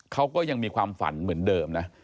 เขาก็ยังมีความฝันเหมือนเดิมนะ